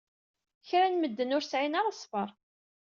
Kra n medden ur sɛin ara ṣṣber.